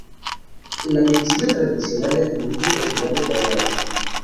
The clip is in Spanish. La medicina tradicional le atribuye propiedades variadas.